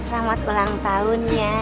selamat ulang tahun ya